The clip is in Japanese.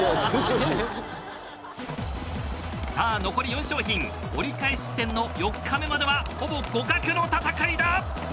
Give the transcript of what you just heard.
さあ残り４商品折り返し地点の４日目まではほぼ互角の戦いだ！